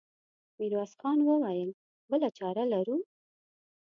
ميرويس خان وويل: بله چاره لرو؟